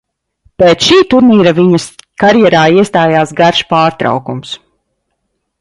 Pēc šī turnīra viņas karjerā iestājās garš pārtraukums.